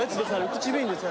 口紅です。